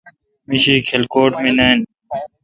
می شی کلکوٹ مے° نان۔